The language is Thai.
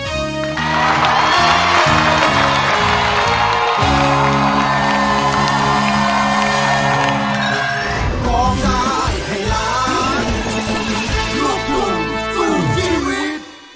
อุดจงรักเขานาน